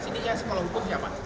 sini ya sekolah hukum siapa